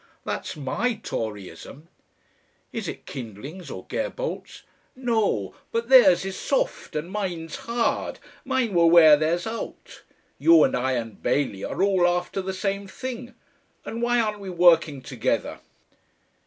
That's MY Toryism." "Is it Kindling's or Gerbault's?" "No. But theirs is soft, and mine's hard. Mine will wear theirs out. You and I and Bailey are all after the same thing, and why aren't we working together?"